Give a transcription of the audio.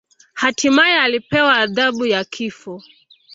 Hatimaye alipewa adhabu ya kifo.